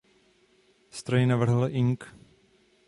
Stroj navrhl ing.